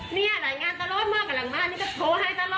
เนี่ยหลายงานตลอดมากกับหลังบ้านนี่ก็โทรให้ตลอด